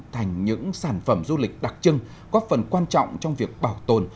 thành những sản phẩm du lịch đặc trưng góp phần quan trọng trong việc bảo tồn